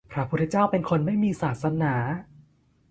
พระพุทธเจ้าเป็นคนไม่มีศาสนา ?